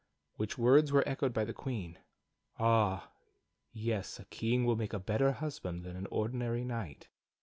Which words were echoed by the Queen: "Ah! yes, a king will make a better husband than an ordinary knight."